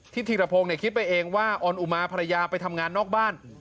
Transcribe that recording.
ธีรพงศ์คิดไปเองว่าออนอุมาภรรยาไปทำงานนอกบ้าน